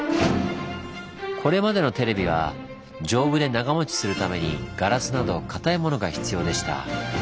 これまでのテレビは丈夫で長もちするためにガラスなどかたいものが必要でした。